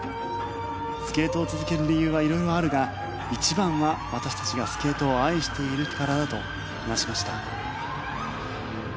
スケートを続ける理由はいろいろあるが一番は私たちがスケートを愛しているからだと話しました。